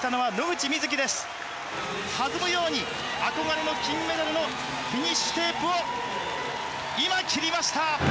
弾むように憧れの金メダルのフィニッシュテープを今切りました